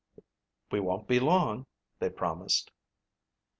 "We won't be gone long," they promised.